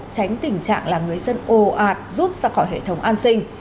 tránh tình trạng là người dân ồ ạt rút ra khỏi hệ thống an sinh